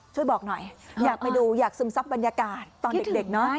ช่วยบอกหน่อยอยากไปดูอยากซึมซับบรรยากาศตอนเด็กเนอะ